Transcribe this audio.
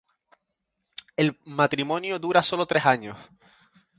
El matrimonio dura sólo tres años.